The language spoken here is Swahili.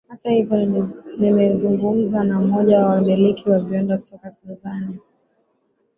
Hata hivyo nimezungumza na mmoja wa wamiliki wa viwanda kutoka Tanzania